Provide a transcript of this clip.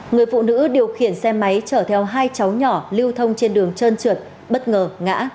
người phụ nữ điều khiển xe máy chở theo hai cháu nhỏ lưu thông trên đường trơn trượt bất ngờ ngã